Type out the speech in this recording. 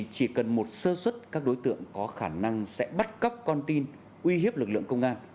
nếu xuất các đối tượng có khả năng sẽ bắt cắp con tin uy hiếp lực lượng công an